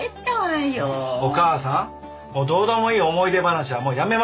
お母さんどうでもいい思い出話はもうやめましょう。